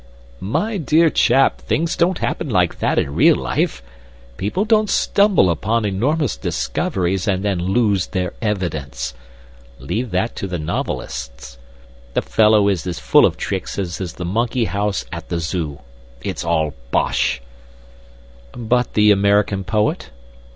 "My dear chap, things don't happen like that in real life. People don't stumble upon enormous discoveries and then lose their evidence. Leave that to the novelists. The fellow is as full of tricks as the monkey house at the Zoo. It's all bosh." "But the American poet?"